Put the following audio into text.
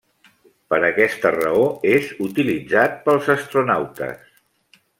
Per aquesta raó és utilitzat pels astronautes.